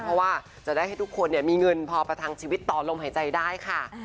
เพราะว่าจะได้ให้ทุกคนมีเงินพอประทังชีวิตต่อลมหายใจได้ค่ะ